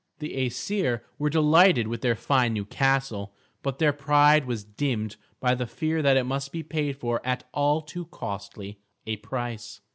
The Æsir were delighted with their fine new castle; but their pride was dimmed by the fear that it must be paid for at all too costly a price.